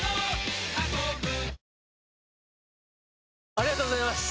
ありがとうございます！